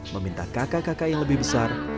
meminta kakak kakak yang lebih besar